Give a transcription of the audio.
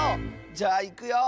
じゃあいくよ。